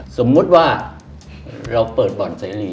สมมุติว่าเราเปิดบ่อนเสรี